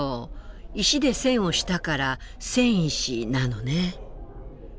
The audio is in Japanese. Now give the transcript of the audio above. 石で栓をしたから栓石なのね。